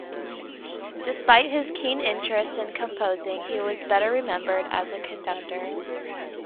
Despite his keen interest in composing, he was better remembered as a conductor.